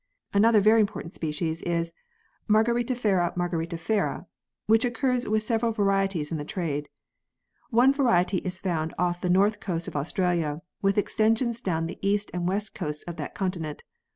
Another very important species is Margaritifera margaritifera which occurs with several varieties in the trade. One variety is found off the north coast of Australia with extensions down the east and west coasts of that continent.